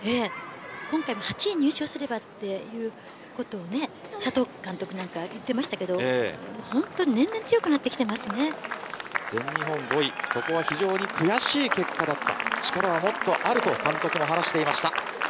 今回も８位入賞すればということを佐藤監督は言っていましたが本当に年々全日本５位そこは非常に悔しい結果だった力はもっとあると監督は話していました。